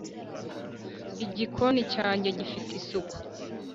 igikoni cyange gifite isuku